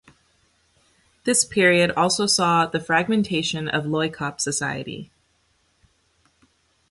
This period also saw the fragmentation of Loikop society.